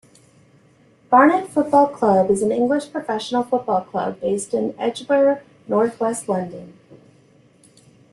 Barnet Football Club is an English professional football club based in Edgware, north-west London.